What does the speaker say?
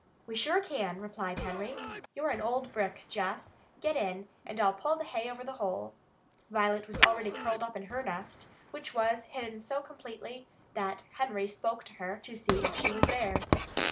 "We sure can," replied Henry. "You're an old brick, Jess. Get in, and I'll pull the hay over the hole." Violet was already curled up in her nest, which was hidden so completely that Henry spoke to her to see if she were there.